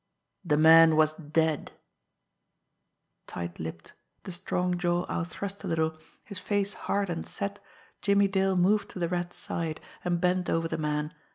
The man was dead! Tight lipped, the strong jaw outthrust a little, his face hard and set, Jimmie Dale moved to the Rat's side, and bent over the man.